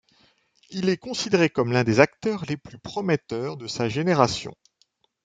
Il est considéré comme l'un des acteurs les plus prometteurs de sa génération.